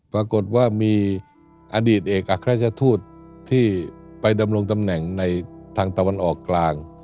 ปรากฏว่ามีอดีตเอกอัครราชทูตที่ไปดำรงตำแหน่งในทางตะวันออกกลาง